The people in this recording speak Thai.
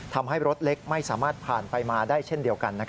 ทำให้รถเล็กไม่สามารถผ่านไปมาได้เช่นเดียวกัน